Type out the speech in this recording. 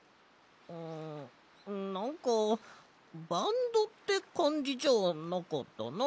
んなんかバンドってかんじじゃなかったな。